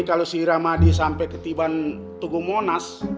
kalau si ramadi sampai ketiban tugu monas